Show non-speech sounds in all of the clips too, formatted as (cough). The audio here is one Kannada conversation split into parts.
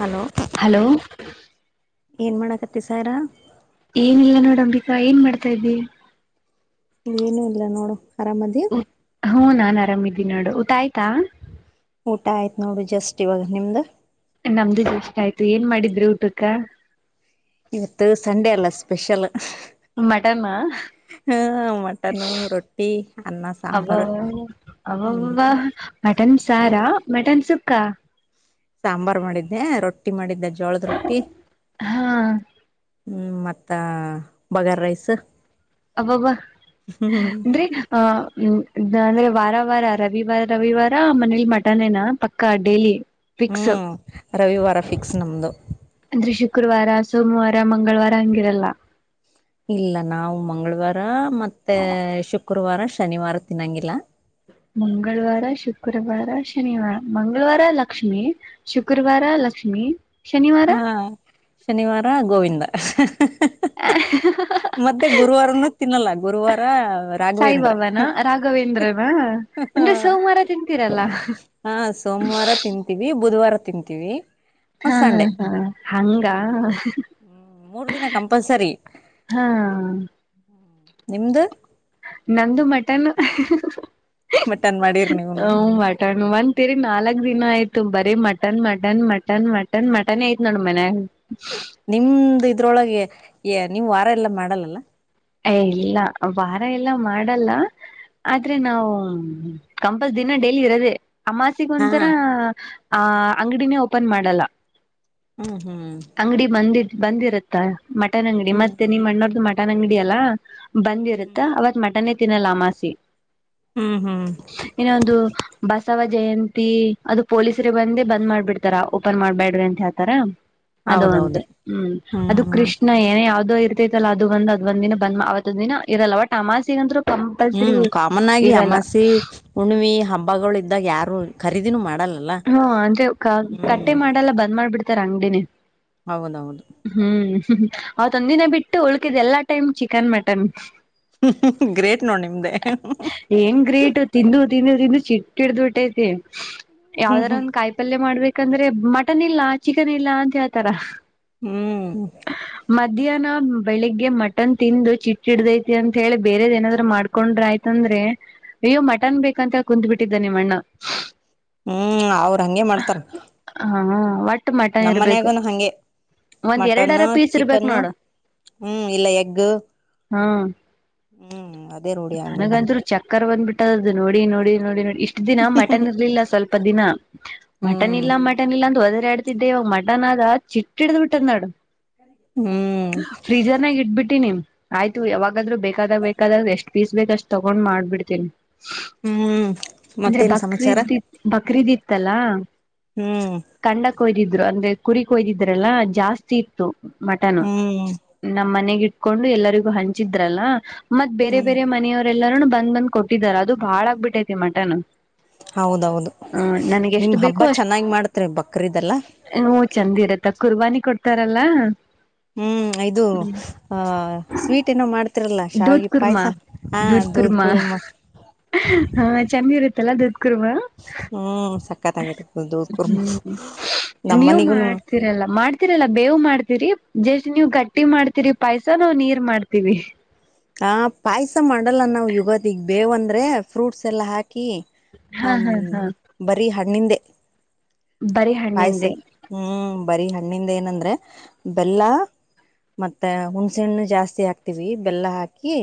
ಹಲೋ ಹಲೋ ಏನ್ ಮಾಡಕತ್ತ ಸರ ಏನಿಲ್ಲ ನೋಡ್ ಅಂಬಿಕಾ ಏನ್ ಮಾಡ್ತಾ ಇದ್ವಿ ಏನು ಇಲ್ಲ ನೋಡು ಆರಾಮದಿ ಹ್ಮ ನಾನ್ ಆರಾಮಿದ್ದೀನಿ ನೋಡು ಊಟ ಆಯ್ತಾ ಊಟ ಆಯ್ತ್ ನೋಡು ಜಸ್ಟ್ ಇವಾಗ ನಿಮ್ದ ನಮ್ದ ಇಷ್ಟ ಆಯ್ತು ಏನ್ ಮಾಡಿದ್್ರರು ಊಟಕ್ಕ ಇವತ್ತು ಸಂಡೆ ಎಲ್ಲ ಸ್ಪೆಷಲ್ ಮಡಮ ಹ ಮಟನ್ ರೊಟ್ಟಿ ಅನ್ನ ಅ ಸಾಂಬಾರ್ ಅ ಹ್ಮ್ ಮಟನ್ ಸಾರಾ ಮಟನ್ ಸುಕ್ಕಾ ಸಾಂಬಾರ್ ಮಾಡಿದ್ದೆ ರೊಟ್ಟಿ ಮಾಡಿದ್ದೆ ಜೋಳದ ರೊಟ್ಟಿ ಹಾ ಹ್ಮ್ ಮತ್ತ ಬಗಾರ್ ರೈಸ್ ಅಬ್ಬಬ್ಬ ಹ್ಮ್ ಅಂದರಿ ಆ್ಮ ಅಂದ್ರೆ ವಾರ ವಾರ ರವಿವಾರ ರವಿವಾರ ಮನೇಲಿ ಮಟನ್ ಏನಾ ಪಕ್ಕ ಡೇಲಿ ಹ್ಮ್ ರವಿವಾರ ಫಿಕ್ಸ್ ನಮ್ದು ಅಂದ್ರೆ ಶುಕ್ರವಾರ ಸೋಮವಾರ ಮಂಗಳವಾರ ಹಂಗಿರಲ್ಲ ಇಲ್ಲ ನಾವು ಮಂಗಳವಾರ ಮತ್ತೆ ಶುಕ್ರವಾರ ಶನಿವಾರ ತಿನ್ನೊಂಗಿಲ್ಲ ಮಂಗಳವಾರ ಶುಕ್ರವಾರ ಶನಿವಾರ ಮಂಗಳವಾರ ಲಕ್ಷ್ಮೀ ಶುಕ್ರವಾರ ಲಕ್ಷ್ಮಿ ಶನಿವಾರ ಹಾ ಶನಿವಾರ ಗೋವಿಂದ ಹ ಮದೆ ಗುರುವಾರನ ತಿನ್ನಲ್ಲ ಗುರುವಾರ ರಾಘವೇಂದ್ರ ಸಾಯಿಬಾಬಾನ ರಾಘವೇಂದ್ರನ ಹ ಅಂದ್ರೆ ಸೋಮವಾರ ತಿಂತೀರಲ್ಲ ಹಾ ಸೋಮವಾರ ತಿಂತೀವಿ ಬುಧವಾರ ತಿಂತೀವಿ ಹಾ ಮತ್ ಹಾ ಸಂಡೆ ಹಾ ಹಂಗ ಹ್ಮ್ ಮೂರ್ ದಿನ ಕಂಪಲ್ಸರಿ ಹ್ಮ ಹ್ಮ ನಿಮ್ದ ನಂದು ಮಟನ್ ಮಟನ್ ಮಾಡಿರ್ ನೀವುನು ಹ ಮಟ ಒಂತಂತೀರಿ ನಾಲ್ಕು ದಿನ ಆಯ್ತು ಬರಿ mutton mutton mutton mutton mutton ಯ್ತ್ ನೋಡ ಮನ್ಯಾಗ ನಿಮ್ದ ಇದ್ರೊಳಗೆ ನೀವ್ ವಾರ ಎಲ್ಲಾ ಮಾಡಲ್ಲಲ್ಲ ಇಲ್ಲ ವಾರ ಎಲ್ಲ ಮಾಡಲ್ಲ ಆದ್ರೆ ನಾವು ಕಂಪಲ್ ದಿನ ಡೈಲಿ ಇರೋದೆೇ ಆ ಮಾಾಸಿಗ ಹಾ ಒಂಥರ ಆ ಅಂಗಡಿನೇ ಓಪನ್ ಮಾಡಲ್ಲ ಹ್ಮ ಅಂಗಡಿ ಬಂದಿ ಬಂದಿರುತ್ತಾ ಮಟನ್ ಅಂಗಡಿ ಮತ್ತೆ ಹ್ಮ್ ನಿಮ್ಮ ಅಣ್ಣೋರ್ ಮಟನ್ ಅಂಗಡಿ ಅಲ್ಲಾ ಹ್ಮ್ ಬಂದಿರುತ್ತ ಅವತ್ ಮಟನೇ ತಿನ್ನಲ್ಲ ಅಮಾಸಿ ಹ್ಮ್ ಹ್ಮ್ ಹ್ಮ್ ಇನ್ನ ಒಂದು ಬಸವಾಜ ಜಯಂತಿ ಅದು ಪೊಲೀಸ್ರ ಬಂದೇ ಬಂದ್ ಮಾಡ್ಬಿಡ್ತಾರ ಓಪನ್ ಮಾಡ್ಬ್ಯಾಡ್ರಿ ಅಂತ ಹೇಳ್ತಾರ ಅದು ಹೌದೌದು ಒಂದು ಹ್ಮ್ ಅದು ಕೃಷ್ಣ ಏನ ಯಾವ್ದೋ ಆತಲ್ಲ ಅದು ಒಂದ ಅದ್ ಒಂದ ದಿನ ಬಂದ್ವತ್ದ ದಿನ ಇರಲ್ಲವ ಟಮಾಸಿಗ ಅಂತ ಹ್ಮ್ ಕಾಮನ್ ಆಗಿ ಅಮಾಸಿ ಹುಣವಿಿ ಹಬ್ಬಗಳು ಇದ್ದಾಗ ಯಾರು ಖರೀದಿನೂ ಮಾಡಲ್ಲ ಹಾ ಅಂದ್ರೆ ಕಟ್ಟೆ ಮಾಡೆಲ್ಲ ಬಂದ್ ಮಾಡ್ಬಿಡ್ತಾರ ಅಂಗಡಿನೇ ಹೌದೌದು ಹ್ಮ್ ಅವತ್ಂದಿನ ಬಿಟ್ಟು ಉಳಕಿದ್ ಎಲ್ಲಾ ಟೈಮ್ ಚಿಕನ್ ಮಟನ್ ಹ್ಮ ಗ್ರೇಟ್ ನೋಡ್ ನಿಮ್ದೆ ಏಂಗ ಗ್ರೇಟ್ ತಿಂದು ತಿಂದು ತಿಂದು ಚಿಟ್ಟಿಡ್ದು ಬಿಟ್ಟೈತಿ ಯಾವ್ದಾರ ಹ್ಮ್ ಒಂದ್ ಕಾಯಿ ಪಲ್ಯ ಮಾಡ್ಬೇಕಂದ್ರೆ ಮಟನ್ ಇಲ್ಲ ಚಿಕನ್ ಇಲ್ಲ ಅಂತ ಹೇಳ್ತರ ಹ್ಮ್ ಮಧ್ಯಾಹ್ನ ಬೆಳಿಗ್ಗೆ ಮಟನ್ ತಿಂದು ಚಿಟ್ಟ ಹಡ್ದೈತಿ ಅಂತ ಹೇಳಿ ಬೇರೆದ ಏನಾದ್ರು ಮಾಡ್ಕೊಂಡ್ರೆ ಆಯ್ತತಿ ಅಂದ್ರೆ ಅಯ್ಯೋ ಮಟನ್ ಬೇಕಂತ ಕುತ್ ಬಿಟ್ಟಿದ್ದ ನಿಮ್ಮ ಅಣ್ಣ ಹ್ಮ್ ಅವ್ರ ಹಂಗಗೆ ಮಾಡ್ತಾರ ಹಾ ಒಟ್ಟು ಮಠ ಇರ್ಬೇಕು ಒಂದ್ ಎರಡರ ಮಟನ್ನು ಪೀಸ್ ಇರ್ಬೇಕ್ ಚಿಕನ್ನು ನೋಡು ಹ್ಮ್ ಇಲ್ಲ ಎಗು ಹಾ ಹ್ಮ್ ಅದ ನನಗಂತರು ಚಕ್ಕರ್ ಬಂದ್ಬಿಟ್ಟದದು ನೋಡಿ ನೋಡಿ ನೋಡಿ ನೋಡಿ ಇಷ್ಟ ದಿನ ಮಟನ್ ಇರ್ಲಿಲ್ಲ ಸ್ವಲ್ಪ ದಿನ ಮಟನ್ ಹ್ಮ್ ಇಲ್ಲ ಮಟನ್ ಇಲ್ಲ ಅಂತ ಅದ ಆಡ್ತಿದ್ದೆವಾಗ ಮಡನ್ಾದ ಚಿಟ್ಟ ಹಿಡ್ದ್ ಬಿಿಟ್ಟದ್ ನಾಡು ಹ್ಮ್ ಫ್ರೀಜರ್ನಾಗ ಇಟ್ಬಿಟ್ಟಿ ನಿಮ್ ಆಯ್ತು ಯಾವಾಗ ಹಾಗಾದ್ರೂ ಬೇಕಾದಾಗ ಬೇಕಾದ್ರ ಎಷ್ಟ ಪಫೀಸ್ ಬೇಕ ಅಷ್ಟ ತಗೊಂಡ್ ಮಾಡ್ಬಿಡ್ತೀನಿ ಹ್ಮ್ ಅಂದ್ರೆ ಮತ್ತೇನ್ ಸಮಾಚಾರ ಬಕ್ರೀದ್ಿ ಬಕ್ರೀದ್ಿತ್ತಲ್ಲಾ ಹ್ಮ್ ್ ಅಂದ್ರೆ ಕುರಿ ಕಯ್ದಿದ್ರಲ್ಲ ಜಾಸ್ತಿ ಇತ್ತು ಮಟನ್ ಹ್ಮ್ ನ ೊಂಡು ಎಲ್ಲರಿಗು ಹಂಚಿದ್ರಲ್ಲ ಮತ್ ಬೇರೆ ಹ್ಮ್ ಬೇರೆ ಮನೆಯವ ಎಲ್ಲರು ಬಂದ್ ಬಂದ್ ಕೊಟ್ಟಿದಿದ್ದಾರೆಾರ ಅದು ಭಾಳ ಆಗ್ಬಿಟ್ಟೈತಿ ಮಟನ್ ಹೌದೌದು ಹ್ಮ ನನ್ಗೆ ನಿಮ್ ಎಷ್ಟು ಹಬ್ಬ ಚೆನ್ನಾಗಿ ಮಾಡತ್ರಿ ಬಕ್ರದೆಲ್ಲ ಹೂ ಚಂದ ಇರತ್ತ ಕುರ್ಬಾನಿ ಕೊಡ್ತಾರಲ್ಲ ಹ್ಮ್ ಇದು ಆ ಸ್ವೀಟ್ ಏನೋ ಮಾಡ್ತಿರಲ್ಲ ದೂದ್ ಶಾವಿಗೆ ಕುರ್ಮಾ ಪಾಯಸ ಹಾ ದೂದ್ ಕುರ್ಮಾ ಕುರ್ಮ ಹಾ ಚೆನ್ನಿರುತ್ತಲ್ಲಾ ದೂದ ಹ್ಮ್ ಸಕ್ಕತ್ಂಗಿಟ್ಟ ದೂ ಕುರ್ಮ ನೀವು ನಮ್ಮನಿಗುನು ಮಾಡ್ತೀರಲ್ಲ ಮಾಡ್ತೀರಲ್ಲ ಬೇವು ಮಾಡ್ತೀರಿ ಜಷ್ಟ್ ನೀವ್ ಗಟ್ಟಿ ಮಾಡ್ತೀರಿ ಪೈಸ ನಾವವು್ ನೀರ್ ಮಾಡ್ತೀವಿ ಹ ಪಾಯಸ ಮಾಡಲ್ಲ ನಾವು ಇಗತ್ತ ಈಗ್ ಬೇವು ಅಂದ್ರೆ ಫ್ರೂಟ್ಸ್ ಎಲ್ಲ ಹಾಕಿ ಕಿ ಹ ಹಾ ಹಾ ಹಾ ಬರಿೀ ಹಣ್ಣಿಂದೆ ಬರೀ ಪಾಯ್ಸ ಹಣ್ಣಿಂದೆ ಹ್ಮ್ ಬರಿೀ ಹಣ್ಣಿಂದ ಏನಂದ್ರೆ ಬೆಲ್ಲ ಮತ್ತೆ ಹುಣ್ಸೆ ಹಣ್ಣು ಜಾಸ್ತಿ ಹಾಕ್ತಿವಿ ಬೆಲ್ಲ ಹಾಕಿ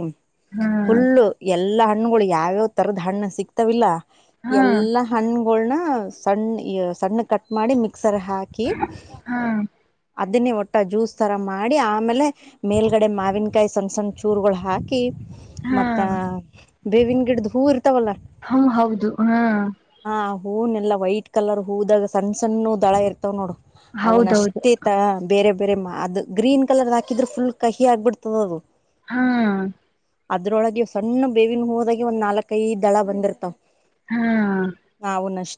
ಹಾ ಫುಲ್ಲು ಎಲ್ಲಾ ಹಣ್ಣುಗಳು ಯಾವ್ಯಾವ್ ತರದ ಹಣ್ಣು ಸಿಕ್ತಾವಿಲ್ಲ ಹಾ ಎಲ್ಲಾ ಹಣ್ಣ್ಗಳನ ಸಣ್ಣ ಸಣ್ಣ ಕಟ್ ಮಾಡಿ ಮಿಕ್ ಸರ ಹಾಕಿ ಹಾ ಅದನ್ನೇ ಒಟ್ಟ ಜ್ಯೂಸ್ ಥರ ಮಾಡಿ ಆಮೇಲೆ ಮೇಲುಗಡೆ ಮಾವಿನಕಾಯಿ ಸಣ್ಣ ಸಣ್ಣ ಚೂರುಗಳು ಹಾಕಿ ಹಾ ಮತ್ತ ಬೇವಿನ ಗಿಡ್ದ ಹೂರ್ ಹ್ಮ ಹೌದು ಹಾ ಹೂವ ಎಲ್ಲ ವೈಟ್ ಕಲರ್ ಹೂದಾಗ ಸಣ್ಣ ಸಣ್ಣ ದಳ ಇರ್ತವ್ ನೋಡು ಅವನ್ ಹೌದೌದು ಅಷ್ಟೇತ ಬೇರೆ ಬೇರೆ ಮಾ ಅದು ಗ್ರೀನ್ ಕಲರ್ ಹಾಕಿದ್ರೆ ಫುಲ್ ಕಹಿ ಆಗ್ಬಿಡ್ತದ ಅದು ಹಾ ಅದ್ರೊಳಗೆ ಸಣ್ಣ ಬೇವಿನ ಹೋದಾಗಿ ಒಂದ್ ನಾಲ್ಕೈದು ದಳ ಬಂದಿರ್ತಾವ ಹಾ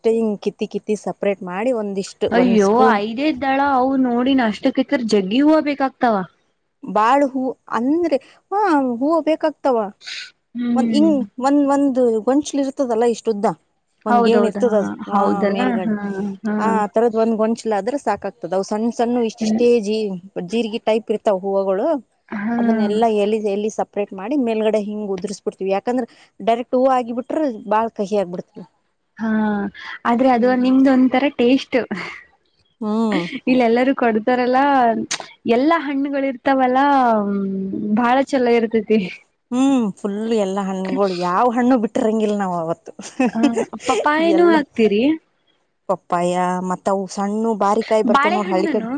ಂಗ ಕತಿ ಕತಿ ಸ ಅಯ್ಯೋ ಐದೇದ್ದಳ ಅವ ನೋಡಿ ನ ಅಷ್ಟಕ್ಕತ್ತರ್ ಜಗ್ಗಿ ಹೂವು ಬೇಕಾಗ್ತಾವ ಬಾಳ ಹೂ ಅಂದ್ರೆ ಹ ಹೂ ಬೇಕಾಗತ ಇವಾ ಒಂದ ಹ್ಮ್ ಹಿಂಗ್ ಒಂದ ಒಂದು ಗೊಂಸಲ್ ಇರ್ತದಲ್ಲಾ ಇಷ್ಟ ಉದ್ದ ಒಂದ್ಗಏಣ ಹೌದೌದ ಇರ್ತದ ಹಾ ಅದು ಆ ಹೌದಲ್ಲ ಮೇಲ್ಗಾಡಿ ಹಾ ಹಾ ಆ ಆ ತರದ್ ಒಂದ್ ಗೊಂಚಿಲ್ಲ ಅದ್ರ ಸಾಕಾಗ್ತದ ಅವು ಸಣ್ಣ ಸಣ್ಣ ಇಷ್ಟಿಷ್ಟೇ ಜೀ ಜೀರ್ಗ ಟೈಪ್ ಇರ್ತಾವ ಹೂವುಗಳು ಹಾ ಅದನ್ನೆಲ್ಲಾ ಎ ಎ ಸಪ್ಪ ಅಪ್ರೇಟ್ ಮಾಡಿ ಮೇಲ್ಗಡೆ ಹಿಂಗ ಉದುರ್ಬ ಬಿಡ್ತತಿವಿ ಯಾಕಂದ್ರೆ ಡೈರೆಕ್ಟ್ ಹೂವು ಆಗಿ ಬಿರ ಬಾಳ್ ಕಹಿ ಆಗ್ಬಡ್ತತಿವಿ ಹಾ ಆದ್ರೆ ಅದು ನಿಮ್ದ ಒಂದಥರ ಟೇಸ್ಟ್ ಹ್ಮ್ ಇಲ್ಲ ಎಲ್ಲರ ಕೊಡ್ತಾರಲ್ಲ ಎಲ್ಲಾ ಹಣ್ಣುಗಳ ಇರ್ತಾವಲ್ಲ ಹ ಬಾಳ ಚಲಾಗಿರ್ತತಿ ಹ್ಮ್ ಫುಲ್ ಎಲ್ಲಾ ಹಣ್ಣಗಳು ಯಾವ್ ಹಣ್ಣು ಬಿಟ್ರಂಗಿಲ್ಲ ನಾವ್ ಅವತ್ತು ಹ ಪಪಾಯನೂ ಎಲ್ಲ ಹಾಕ್ತಿರಿ ಪಪ್ಪಾಯ ಮತ್ತವು ಸಣ್ಣ ಬಾರ ಕಾಯಿ ಬರ್ತಾವ ನೋಡ ಹಳ್ಳಿ ಕಡೆ ಬಾಳೆಹಣ್ಣನು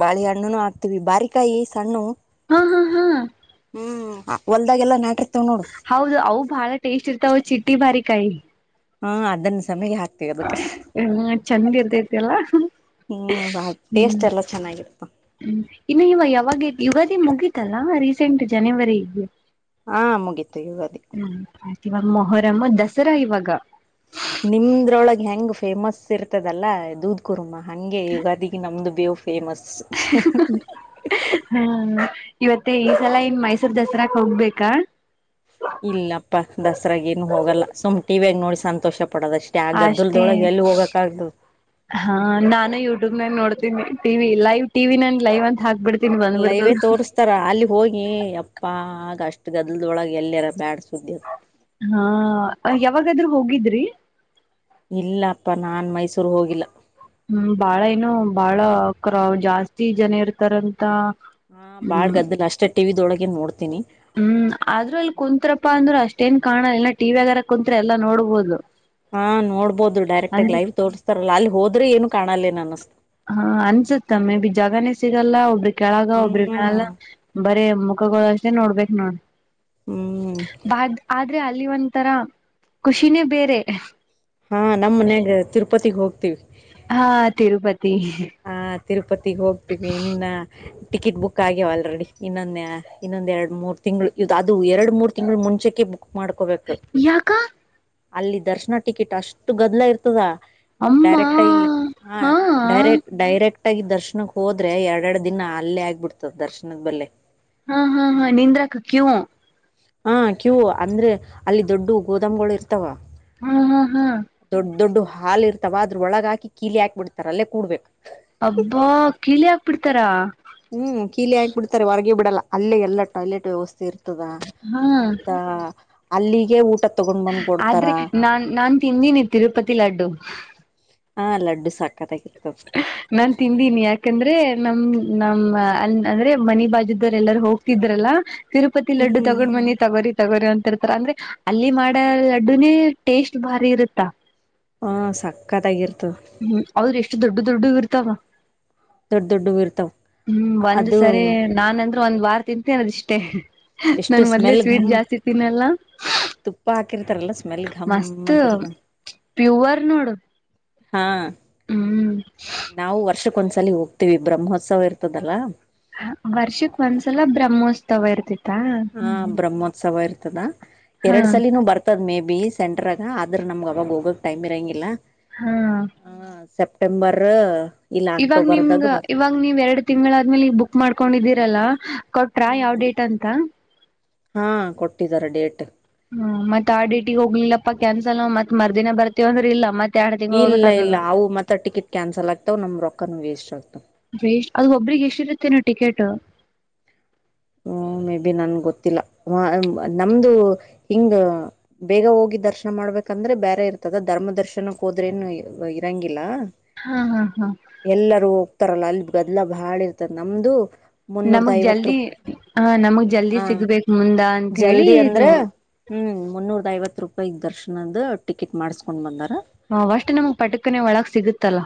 ಬಾಳಿ ಹಣ್ಣುನು ಹಾಕ್ತವಿ ಬಾರಿಕಾಯಿ ಸಣ್ಣು ಹಾ ಹಾ ಹಾ ಹ್ಮ್ ಹೊಲ್ದಾಗೆಲ್ಲ ನಾಟ್ರ ಹೌದು ಅವು ಬಾಳ ಟೇಸ್ಟ್ ಇರ್ತಾವ ಚಿಟ್ಟಿ ಬಾರಿಕಾಯಿ ಹಾ ಅದನ್ನ ಸಮಯ ಹಾ ಎಲ್ಲ ಚೆಂದ ಇರ್ತೈತಿಲ್ಲ ಹ್ಮ್ ಹ್ಮ್ ಬಾಳ್ ಹ್ಮ ಟೇಸ್ಟ್ ಎಲ್ಲ ಚೆನ್ನಾಗಿರ್ತ ಇನ್ನು ಇವಾಗ ಯಾವಾಗ ಯುಗಾದಿ ಮುಪೀಗೀ ತಲ್ಲಾ ರೀಸೆಂಟ್ ಜನವರಿಗೆ ಹಾ ಮುಗೀತು ಯುಗಾದಿ ಮೊಹರಮ ದಸರಾ ಇವಾಗ ನಿಮ್ರೊಳಗ್ ಹೆಂಗ್ ಫೇಮಸ್ ಇರ್ತದಲ್ಲ ದೂದ್ ಕುರ್ಮಾ ಹಗೆ ಯುಗಾದಿಗೆ ನಮ್ದು ಬೇವು ಫೇಮಸ್ ಇವತ್ತ ಈ ಸಲ ಇನ್ ಮೈಸೂರ್ ದಸರಾಕ್ ಹೋಗ್ಬೇಕಾ ಇಲ್ಲಪ್ಪ ದಸರಾಗ ನು ಹೋಗಲ್ಲ ಸುಮ್ ಟಿವಿಯಗ ನೋಡಿ ಸಂತೋಷ ಪಡೋದಷ್ಟೇ ಆ ಅಷ್ಟೇ ಗದ್ದಲ್ದೊಳಗೆ ಎಲ್ಲಿ ಹೋಗಕ್ ಆಗ್ತದ ಹಾ ನಾನು ಯೂಟ್ಯೂಬ್ ಮಾಗ ನೋಡ್ತ ಟಿ ಲೈವ್ ಟಿ ನನ್ ಲೈವ ಅಂತ ಹಾಕ್ಬಿಡ್ ಅಲ್ಲ ಇವೇ ತೋರ್ಸ್ತಾರ ಅಲ್ಲಿ ಹೋಗಿ ಅಪ್ಪಾ ಆಗ ಅಷ್ಟ ಗದಲ್ದೊಳಗೆ ಎಲ್ಲರ ಬ್ಯಾಡ ಸುದ್ಯ ಹಾ ಯಾವಾಗಾದ್ರೂ ಹೋಗಿದ್ರಿ ಇಲ್ಲಪ್ಪ ನಾನ್ ಮೈಸೂರ್ ಹೋಗಿಲ್ಲ ಹ್ಮ್ ಬಾಳ ಏನು ಬಾಳ ಕ ಜಾಸ್ತಿ ಜನ ಇರ್ತಾರಂತ ಹಾ ಬಾಳಳ್ ಹ್ಮ್ ಗದ್ದಿಲ್ಲ ಅಷ್ಟೇ ಟಿವಿದೊಳಗ ನೋಡ್ತ ಹ್ಮ್ ಆದ್ರ ಅಲ್ಲಿ ಕುಂತ್ತ್ರಪ್ಪಾ ಅಂದ್ರರು ಅಷ್ಟೇನ್ ಕಾಣ ಇನ ಟಿವಿ ಆಗಾರ ಕುಂತ್ರೆ ಎಲ್ಲಾ ನೋಡ್ಬಹುದು ಹಾ ನೋಡ್ಬೋದು ಡೈರೆಕ್ಟ್ ಆಗ ಲೈವ್ ತೋರಿಸಸ್ತಾರಲ್ಲ ಅಲ್ಲಿ ಹೋ್ರ ಏನು ಕಾಣಲ್ಲೇ ಅಸ್ತತ್ ಹಾ ಅನ್ಸುತ್ತ ಮೇ ಬಿ ಜಾಗನೇ ಸಿಗಲ್ಲ ಒಬ್ರ ಕೆಳಗ ಒಬ್ರ ಮಲ್ಲ ಹ್ಮ್ ಬರೀ ಮುಖಗಳುಷ್ಟೇ ನೋಡ್ಬೇಕ್ ನೋಡ ಹ್ಮ್ ಬ ಆದ್ರೆ ಅಲ್ಲಿ ಒಂಥರ ಖುಷಿನೇ ಬೇರೆ ಹಾ ನಮ್ಮ್ ಮನ್ಯಾಗ ತಿರುಪತಿಗ್ ಹೋಗ್ತಿವಿ ಹಾ ತಿರುಪತಿ ಹಾ ತಿರುಪತಿಗ್ ಹೋಗ್ತೀವಿ ಇನ್ನ ಟಿಕೆಟ್ ಬುಕ್ ಆಗ್ಯವ ಆಲ್ರೆಡಿ ಇನ್ನೊಂದು ಇನ್ನೊಂದು ಎರಡು ಮೂರು ತಿಂಗಳು ಇದು ಅದು ಎರಡು ಮೂರು ತಿಂಗಳು ಮುಂಚೆಕ್ಕೆ ಮಾಡ್ಕೋಬೇಕು ಯಕ್ಕಾ ಅಲ್ಲಿ ದರ್ಶನ ಟಿಕೆಟ್ ಅಷ್ಟು ಗದ್ಲ ಇರ್ತದ ಅಮ್ಮ ಡೈರೆಕ್ಟ್ಐ ಹಾ ಡೈರೆಕ್ಟ್ ಕರೆಕ್ಟ್ ಆಗಿ ದರ್ಶನಕ್ ಹೋದ್ರೆ ಎರ ಎರಡ್ ದಿನ ಅಲ್ಲೇ ಆಗ್ಬಿಡ್ತದೆ ದರ್ಶನದ ಬಲ್ಲೆ ಹಾ ಹಾ ಹಾ ನಿಂದ್ರಾಕ್ಕೆ ಕ್ಯೂ ಹಾ ಕ್ಯೂ ಅಂದ್ರೆ ಅಲ್ಲಿ ದೊಡ್ಡ ಗೋದಾಮ್ಗಳು ಇರ್ತ ವಾ ಹಾ ಹಾ ಹಾ ದೊಡ್ಡ ದೊಡ್ಡ ಹಾಲ್ ಇರ್ತವ ಅದ್ರ ಒಳಗ ಹಾಕಿ ಕೀಲಿ ಹಾಕ್ಬ ಬಿಡ್ತಾರ ಅಲ್ಲೇ ಕೂಡ್ಬೇಕು ಹಬ್ಬಾ ಕೀಳೆ ಹಾಕ್ಬಿಡ್ತಾರ ಹ್ಮ್ ಕೀಲಿ ಹಾಕ್ಬಿಡ್ತಾರೆ ಹೊರಗೆ ಬಿಡಲ್ಲ ಅಲ್ಲೆ ಎಲ್ಲ ಟಾಯ್ಲೆಟ್ ವ್ಯವಸ್ಥೆ ಇರ ಹಾ (unintelligible) ಅಲ್ಲಿಗೆ ಊಟ ತಗೊಂಡ್ ಬಂದ್ ಕೊಡ್ತಾರ ಆದ್ರೆ ನಾನ್ ನಾನ್ ತಿಂದನಿ ತಿರುಪತಿ ಲಡ್ಡು ಹಾ ಲಡ್ಡು ಸಕ್ಕತ್ತಾಗಿ ನಾನ್ ತಿಂದೀನಿ ಯಾಕಂದ್ರೆ ನಮ್ ನಮ್ಮ ಅ ಅಂದ್ರೆ ಮನಿ ಬಾಜ (unintelligible) ಎಲ್ಲಾರೂ ಹೋಗ್ತಿದ್ರಲ್ಲ ತಿರುಪತಿ ಲಡ್ಡು ಹ್ಮ್ ತಗೊಂಡು ಬನ್ನಿ ತಗೋರಿ ತಗೋರಿ ಅಂತಿರ್ತಾರ ಅಂದ್ರೆ ಅಲ್ಲಿ ಮಾಡ ಲಡ್ಡುನೇ ಟೇಸ್ಟ್ ಬಾರಿ ಇರುತ್ತಾ ಹಾ ಸಕ್ಕತ್ತಾಗಿರ್ತದ ಹ್ಮ್ ಅವ್ರ ದೊಡ್ಡ ದೊಡ್ದದು ಇರ್ತಾವ ದೊಡ್ಡ ದೊಡ್ಡವು ಇರ್ತಾವ ಹ್ಮ್ ಒಂದ್ ಅದು ಸರಿ ನಾನಂತ ಒಂದ್ ವಾರ ತಿಂತೇ (unintelligible) ಇಷ್ಟೇ ನಾನ ಎಷ್ಟು ಮೊದ್ಲೇ ಸ್ಮೆಲ್ ಸ್ವೀಟ್ ಘಮ್ ಜಾಸ್ತಿ ತಿನ್ನಲ್ಲ ತುಪ್ಪ ಹಾಕಿರ್ತಾರಲ್ಲ ಸ್ಮೆಲ್ ಗಮ್ ಮಸ್ತ್ ಅಂತಿರ್ತ ಪ್ಯೂವರ್ ನೋಡು ಹಾ ಹ್ಮ್ ನಾವು ವರ್ಷಕ್ಕೊಂದ್ಸಲಿ ಹೋಗ್ತೀವಿ ಬ್ರಹ್ಮೋತ್ಸವ ಇರ್ತದಲ್ಲ ವರ್ಷಕ್ ಒಂದ್ಸಲ ಬ್ರಹ್ಮೋತ್ಸವ ಇರ್ತಿ ಹಾ ಬ್ರಹ್ಮೋತ್ಸವ ಇರ್ತ ಇರ್ತದ ಹಾ ಎರಡ್ ಸಲಿನೂ ಬರ್ತದ ಮೇ ಬಿ ಸೆಂಟ್ರಾಗ ಆದ್ರೆ ನಮ್ಗ ಅವಾಗ ಹೋಗಕ್ ಟೈಮ ಇರಾಂಗ್ಗಿಲ್ಲ ಹಾ ಸೆಪ್ಟೆಂಬರ್ ಇಲ್ಲ ಇವಾಗ ನಿಮ್ ಅಕ್ಟೋಬರ್ದಾಗ ಬರ್ ಇವಾಗ ನೀವ್ ಎರಡ್ ತಿಂಗಳಾದ್ಮೇಲೆ ಈಗ ಬುಕ್ ಮಾಡ್ಕೊಂಡಿದ್ದೀರಲ್ಲ ಕೊಟ್ರಾ ಯಾವ್ ಡೇಟ್ ಅಂತ ಹಾ ಕೊಟ್ಟಿದ್ದಾರೆ ಡೇಟ್ ಹ್ಮ್ ಮತ್ತ ಆ ಡೇಟಿಗೆ ಹೋಗ್ಲಿಲ್ಲಪ್ಪಾ ಕ್ಯಾನ್ಸಲ್ ಮತ್ತ ಮರ್ದಿನ ಬರ್ತೀವಿ ಅಂದ್ರ ಇಲ್ಲ ಮತ್ ಎರಡ್ ತಿಂಗಳು ಇಲ್ಲ ಇಲ್ಲ ಹೋಗ್ಬೇಕಾತದ ಅವು ಮತ್ತ ಟಿಕೆಟ್ ಕ್ಯಾನ್ಸಲ್ ಆಗ್ತಾವ ನಮ್ ರೊಕ್ಕನು ವೇಸ್ಟ್ ಆಗ್ತಾವ ಎಷ್ಟ್ ಅದು ಒಬ್ಬ್ರಿಗೆ ಎಷ್ಟ ಇರುತ್ತೇನ ಟಿಕೆಟ್ ಹ್ಮ ಮೇ ಬಿ ನನ್ ಗೊತ್ತಿಲ್ಲ ನಮ್ದು ಹಿಂಗ ಬೇಗ ಹೋಗಿ ದರ್ಶನ ಮಾಡ್ಬೇಕಂದ್ರೆ ಬೇರೆ ಇರ್ತದ ಧರ್ಮ ದರ್ಶನಕ್ಕೆ ಹೋದ್ರೇನು ಇರಂಗಿಲ್ಲ ಹಾ ಹಾ ಹಾ ತಾರಲ್ಲ ಅಲ್ಲಿ ಗದಲ ಬಾಳ ಇರ್ತದೆ ನಮ್ದು ಮುನ್ನೂರ್ದ ನಮಗ್ ಐವತ್ ಜಲ್ದಿ ರೂಪ್ ಹಾ ನಮಗ್ ಜಲ್ದಿ ಹಾ ಸಿಗ್ಬೇಕು ಮುಂದ ಅಂತ ಹೇಳಿ ಜಲ್ದಿ ಇದು ಇಪ್ಪತ್ತು ರೂಪಾಯಿ ದರ್ಶನ್ದ ಟಿಕೆಟ್ ಮಾಡಿಸಿಕೊಂಡ್ ಬಂದರ ನಾವಷ್ಟು ನಮ್ಗ್ ಪಟಕನೇ ಒಳಗ ಸಿಗುತ್ತಲ್ಲ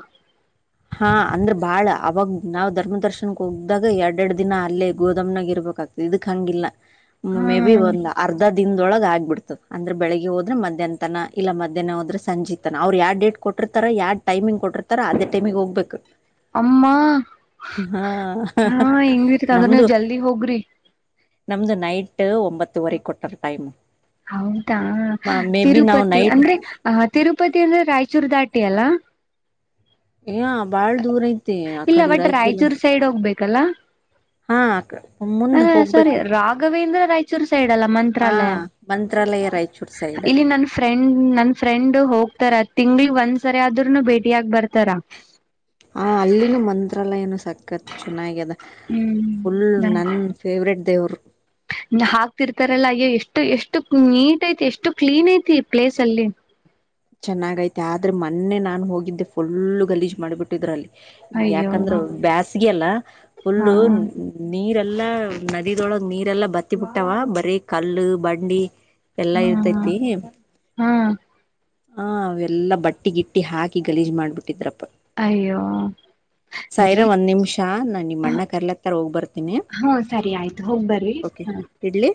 ಹಾ ಅಂದ್ರೆ ಬಾಳ ಅವಾಗ ನಾವ್ ಧರ್ಮ ದರ್ಶನ್ಕ್ ಹೋಗ್ದಾಗ ಎರಡ್ ಎರಡ್ ದಿನ ಅಲ್ಲೇ ಗೋದಾಮ್ನಾಗ ಇರ್ ಬೇಕ ಇದಕ್ ಹಂಗಿಲ್ಲ ಮೇ ಬಿ ಹ್ಮ್ ಒಂದ್ ಅರ್ಧ ಹೊಳಗ ಆಗ್ಬಡ್ತದ ಅಂದ್ರೆ ಬೆಳಗ್ಗೆಒದ್ರೆ ಮದ್ಯಾನ ತನ ಇಲ್ಲ ಮದ್ಯನೋದ್ರೆ ಸಂಜಿತನ ಅವ್ರ ಯಾವ ಡೇಟ್ ಕೊಟ್ಟಿರ್ತಾರೋ ಯಾವ್ ಟೈಮಿಂಗ್ ಕೊಟ್ಟರ್ತರ ಅದೇಟೈಮಿಗೆ ಹೋಗ್ಬೇಕು ಅಮ್ಮ ಹಾ ಹಾ ಹೆಂಗಿರ್ತ ಅಂದ್ರ ನೀವ್ ನಮ್ದು ಜಲ್ದಿ ಹೋಗ್ರಿ ನಮ್ದು ನೈಟ್ ಒಂಬತ್ತುವರೆ ಕೊಟ್ಟಾರ ಟೈಮ್ ಹೌದಾ ಮೇ ಬಿ ನಾವ್ ತಿರುಪತಿ ನೈಟ್ ಅಂದ್ರೆ ಆ ತಿರುಪತಿ ಅಂದ್ರೆ ರಾಯಚೂರು ದಾಟಿ ಅಲ್ಲ ಇಲ್ಲ ಬಾಳ್ ದೂರ ಐತ್ ಇಲ್ಲ ಒಟ್ ರಾಯಚೂರ್ ಸೈಡ್ ಹೋಗ್ಬೇಕಲ್ಲ ಹಾ ಮುಂದ್ ಹೋಗ್ಬೇಕು ಸೈಡ್ಲ್ ಹ ಮಂತ್ರಾಲಯ ಮಂತ್ರಾಲಯ ರಾಯಚೂರ್ ಸೈಡ್ ಇಲ್ಲಿ ನನ್ ಫ್ರೆಂಡ್ ನನ್ ಫ್ರೆಂಡ್ ಹೋಗ್ತಾರ ತಿಂಗಳ ಒಂದ್ ಸರಿ ಆದ್ರೂನು ಭೇಟಿ ಆಗ್ ಬರ್ತ ಹ ಅಲ್ಲಿನು ಮಂತ್ರಾಲಯನು ಸಕತ್ ಚೆನ್ನಾಗಾಗಿದೆ ಹ್ಮ್ ಫುಲ್ ನನ್ ಫೇವ್ರೇಟ್ ದೇವರು ತರಲ್ಲ ಅಯ್ಯೋ ಎಷ್ಟು ಎಷ್ಟು ನೀಟ್ ಐತಿ ಎಷ್ಟು ಕ್ಲೀನ್ ಐತಿ ಪ್ಲೇಸ್ ಅಲ್ಲಿ ಚೆನ್ನಾಗ ಐತೆ ಆದ್ರೆ ಮೊನ್ನೆ ನಾನನ್ ಹೋಗಿದ್ದೆ ಫುಲ್ ಗಲೀಜ್ ಮಾಡ್ಬಿಟ್ಟಿದ್ರ ಅಲ್ಲಿ ಅಯ್ಯೋ ಯಾಕಂದ್ರೆ ಹಾ ಬೇಸ್ಗೆಯಲ್ಲ ಫುಲ್ಲು ನೀರ ಎಲ್ಲಾ ನದಿದೊಳಗ್ ನೀರೆ ಎಲ್ಲಾ ಬತ್ತಿ ಬಿಟ್ಟಾವ ಬರೀ ಕಲ್ಲು ಬಂಡಿ ಎಲ್ಲಾ ಇರ್ತೈತಿ ಹ್ಮ್ ಹ ಅವೆಲ್ಲಾ ಬಟ್ಟಿಗಿಟ್ಟಿ ಹಾಕಿ ಗಲೀಜ್ ಮಾಡ್ಬಿಟ್ಟಿದ್ರಪ್ಪ ಅಯ್ಯೋ ಸಾಯಿರ ಇರ್ಲಿ ಒಂದ್ ನಿಮಿಷ ನಾ ನಿಮ್ಮಣ್ಣ ಕರ್ಲತ್ತಾರ ಹೋಗ್ ಬರ್ತೀನಿ ಆಯ್ತ ಹೋಗ್ಬರಿ ಓಕೆ ಹ ಇಡ್ಲಿ